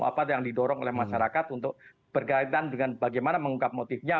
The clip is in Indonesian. apa yang didorong oleh masyarakat untuk berkaitan dengan bagaimana mengungkap motifnya